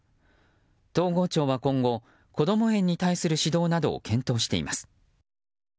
東郷町は今後こども園に対する指導などを検討しています。